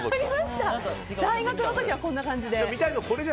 大学の時はこんな感じで。